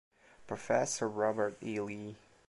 Professor Robert E. Lee.